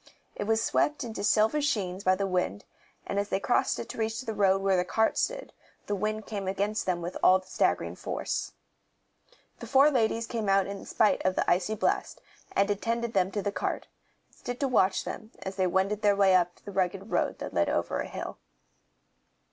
It was swept into silver sheens by the wind, and as they crossed it to reach the road where the cart stood, the wind came against them all with staggering force. The four ladies came out in spite of the icy blast, and attended them to the cart, and stood to watch them as they wended their way up the rugged road that led over a hill.